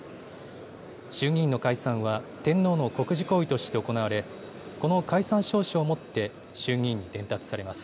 衆議院の解散は天皇の国事行為として行われ、この解散詔書をもって、衆議院に伝達されます。